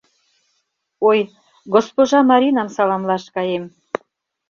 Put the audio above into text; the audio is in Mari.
Ой, госпожа Маринам саламлаш каем.